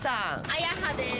あやはです。